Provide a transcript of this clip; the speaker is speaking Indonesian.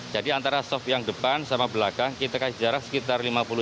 jadi antara sob yang depan sama belakang kita kasih jarak sekitar lima puluh cm